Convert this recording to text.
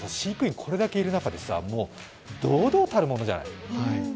これだけいる中で、堂々たるものじゃない。